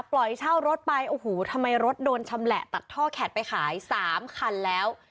ปล่อยเช่ารถไปโอ้โหทำไมรถโดนชำแหละตัดท่อแข็ดไปขาย๓คันแล้ว